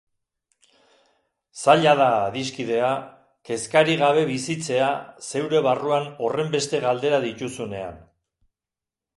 Zaila da, adiskidea, kezkarik gabe bizitzea zeure barruan horrenbeste galdera dituzunean.